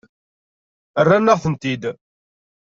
Rran-aɣ-tent-id.